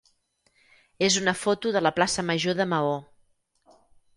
és una foto de la plaça major de Maó.